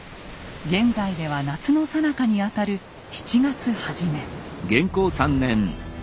現在では夏のさなかにあたる７月初め。